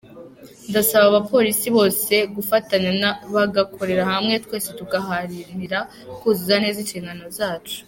Ndasaba abapolisi bose gufatanya bagakorera hamwe twese tugaharanira kuzuza neza inshingano zacu.